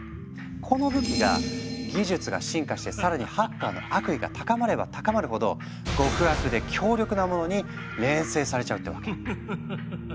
この武器が技術が進化して更にハッカーの悪意が高まれば高まるほど極悪で強力なモノに錬成されちゃうってわけ。